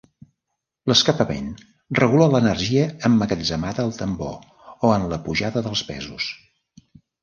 L'escapament regula l'energia emmagatzemada al tambor o en la pujada dels pesos.